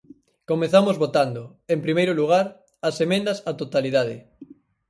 Comezamos votando, en primeiro lugar, as emendas á totalidade.